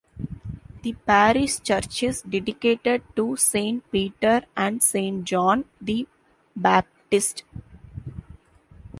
The parish church is dedicated to Saint Peter and Saint John the Baptist.